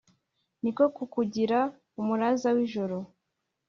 Ni ko kukugira umuraza wijoro;